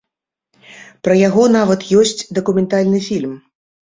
Пра яго нават ёсць дакументальны фільм.